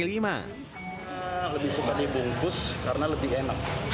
lebih suka dibungkus karena lebih enak